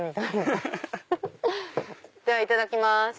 いただきます。